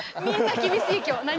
みんな厳しい今日。